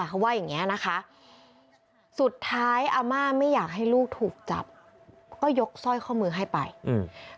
เขาว่าอย่างเงี้ยนะคะสุดท้ายอาม่าไม่อยากให้ลูกถูกจับก็ยกสร้อยข้อมือให้ไปอืม